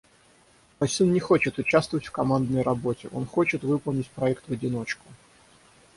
Мой сын не хочет участвовать в командной работе. Он хочет выполнить проект в одиночку.